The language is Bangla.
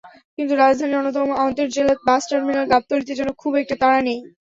কিন্তু রাজধানীর অন্যতম আন্তজেলা বাস টার্মিনাল গাবতলীতে যেন খুব একটা তাড়া নেই।